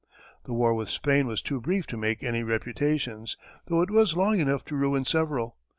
The war with Spain was too brief to make any reputations, though it was long enough to ruin several.